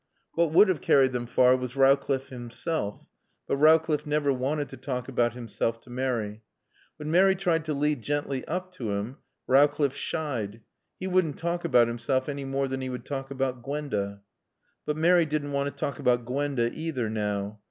What would have carried them far was Rowcliffe himself. But Rowcliffe never wanted to talk about himself to Mary. When Mary tried to lead gently up to him, Rowcliffe shied. He wouldn't talk about himself any more than he would talk about Gwenda. But Mary didn't want to talk about Gwenda either now.